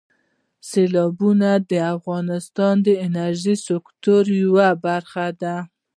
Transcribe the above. سیلابونه د افغانستان د انرژۍ سکتور یوه برخه ده.